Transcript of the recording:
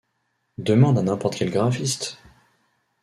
Demande à n'importe quel graphiste.